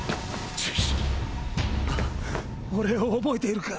俺を覚えているか？